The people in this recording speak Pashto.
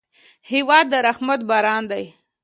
هېواد د رحمت باران دی.